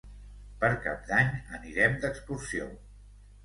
Per Cap d'Any anirem d'excursió.